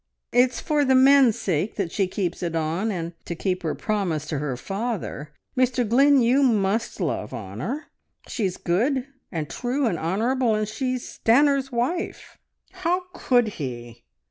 It's for the men's sake that she keeps it on, and to keep her promise to her father. Mr Glynn, you must love Honor. She's good, and true, and honourable, and she's Stanor's wife!" "How could he?